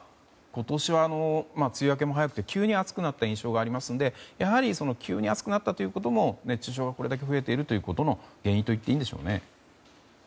今年は梅雨明けも早くて急に暑くなった印象がありますのでやはり急に暑くなったということも熱中症がこれだけ増えているということの原因と言っていいんでしょうね。